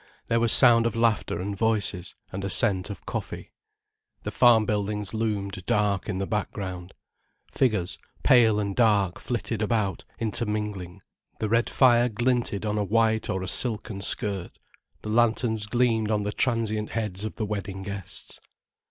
There was sound of laughter and voices, and a scent of coffee. The farm buildings loomed dark in the background. Figures, pale and dark, flitted about, intermingling. The red fire glinted on a white or a silken skirt, the lanterns gleamed on the transient heads of the wedding guests.